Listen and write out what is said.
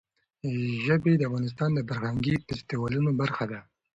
ژبې د افغانستان د فرهنګي فستیوالونو برخه ده.